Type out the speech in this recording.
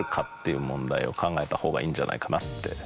いう問題を考えたほうがいいんじゃないかなって。